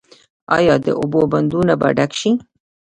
آیا د اوبو بندونه به ډک شي؟